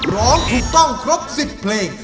ร้องถูกต้องครบ๑๐เพลง